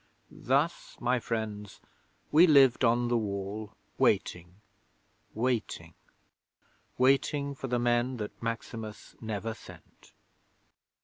'Thus, my friends, we lived on the Wall, waiting waiting waiting for the men that Maximus never sent.